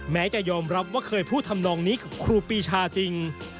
แม้จะยอมรับว่าเคยพูดทำนองนี้ครูปีชาจริง